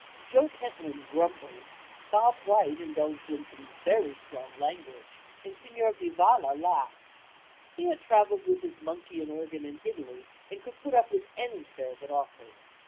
Joe Pentland grumbled, Bob White indulged in some very strong language, and Signor Vivalla laughed. He had travelled with his monkey and organ in Italy and could put up with any fare that offered.